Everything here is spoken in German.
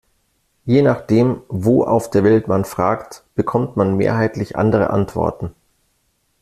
Je nachdem, wo auf der Welt man fragt, bekommt man mehrheitlich andere Antworten.